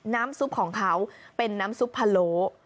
น้ำซุปของเขาเป็นน้ำซุปพะโล